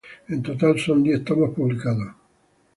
En total son diez tomos publicados.